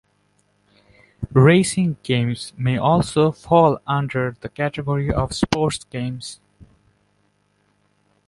Racing games may also fall under the category of sports games.